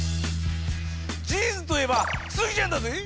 ジーンズといえばスギちゃんだぜぇ